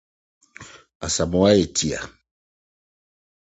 Asamoah etie.